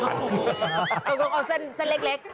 เอาเกราะเอาเส้นเส้นเล็ก